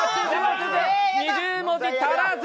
２０文字足らず！